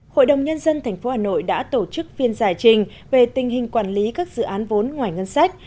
hội đồng nhân dân tp hà nội đã tổ chức phiên giải trình về tình hình quản lý các dự án vốn ngoài ngân sách